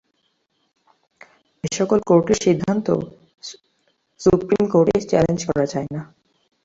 এ সকল কোর্টের সিদ্ধান্ত সুপ্রিম কোর্টে চ্যালেঞ্জ করা যায় না।